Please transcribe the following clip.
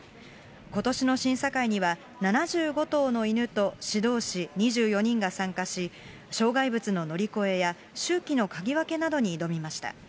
ことしの審査会には、７５頭の犬と指導士２４人が参加し、障害物の乗り越えや、臭気の嗅ぎ分けなどに挑みました。